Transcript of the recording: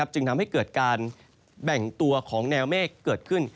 จึงทำให้เกิดการแบ่งตัวของแนวเมฆเกิดขึ้น